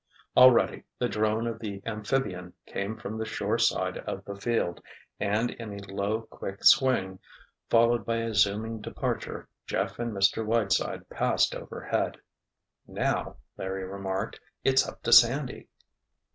Already the drone of the amphibian came from the shore side of the field, and in a low, quick swing, followed by a zooming departure, Jeff and Mr. Whiteside passed overhead. "Now," Larry remarked, "it's up to Sandy."